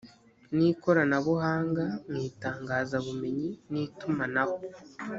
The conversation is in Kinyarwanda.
n ikoranabuhanga mu itangazabumenyi n itumanaho